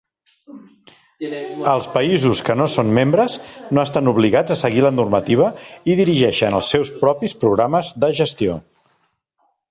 Els països que no són membres no estan obligats a seguir la normativa i dirigeixen els seus propis programes de gestió.